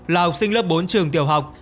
là học sinh lớp bốn trường tiểu học